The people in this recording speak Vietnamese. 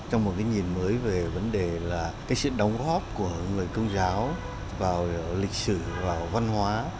trong một cái nhìn mới về vấn đề là cái sự đóng góp của người công giáo vào lịch sử vào văn hóa